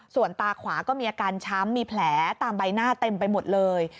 ส่วนตาขวาก็มีอาการช้ำมีแผลตามใบหน้าเต็มไปหมดเลย